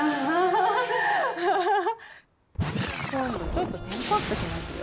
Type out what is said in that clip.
ちょっとテンポアップしますよ。